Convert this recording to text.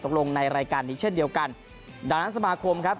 ในรายการนี้เช่นเดียวกันดังนั้นสมาคมครับ